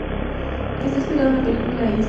Está inspirado en la película La isla.